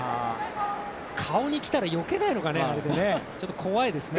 顔に来たらよけないのかね、怖いですね。